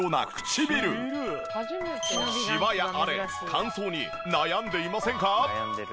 シワや荒れ乾燥に悩んでいませんか？